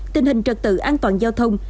tình hình trật tự an toàn giao thông